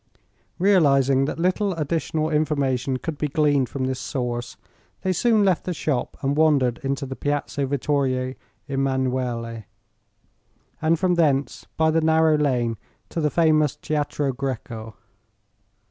Realizing that little additional information could be gleaned from this source they soon left the shop and wandered into the Piazzo Vittorio Emanuele, and from thence by the narrow lane to the famous Teatro Greco.